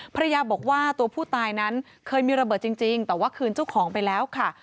ภรรยาบอกว่าตัวผู้ตายนั้นเคยมีระเบิดจริงแต่ว่าคืนเจ้าของไปแล้วค่ะ